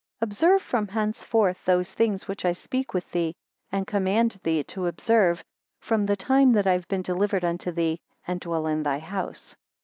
Observe from henceforth those things which I speak with thee, and command thee to observe, from the time that I have been delivered unto thee, and dwell in thy house.